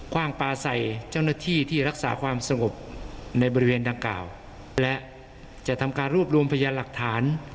ว่างปลาใส่เจ้าหน้าที่ที่รักษาความสงบในบริเวณดังกล่าวและจะทำการรวบรวมพยานหลักฐาน